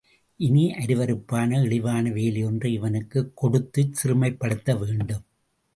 இனி அருவருப்பான இழிவான வேலை ஒன்றை இவனுக்குக் கொடுத்துச் சிறுமைப்படுத்த வேண்டும்!